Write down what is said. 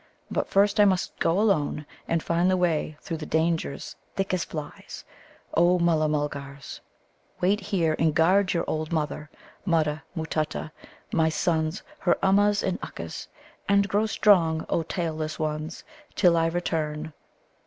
But first I must go alone and find the way through dangers thick as flies, O Mulla mulgars. Wait here and guard your old mother, Mutta matutta, my sons, her Ummuz and ukkas. And grow strong, O tailless ones, till I return.